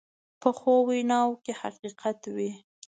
پخو ویناوو کې حقیقت وي